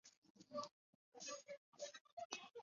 天津形势已经非常紧张。